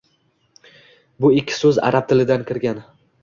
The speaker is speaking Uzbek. Bu ikki soʻz arab tilidan kirgan